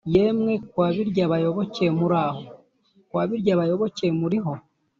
yemwe kwa biryabayoboke muraho? kwa biryabayoboke muriho?